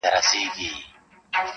• هره ورځ به یې تازه وه مجلسونه -